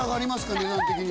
値段的には。